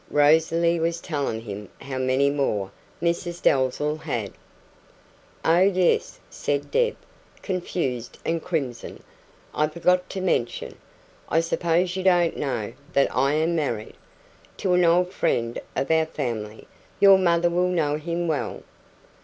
Rosalie was telling him how many more Mrs Dalzell had. "Oh, yes," said Deb, confused and crimson, "I forgot to mention I suppose you don't know that I am married. To an old friend of our family your mother will know him well.